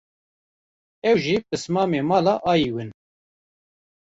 ew jî pismamê mala Ayiw in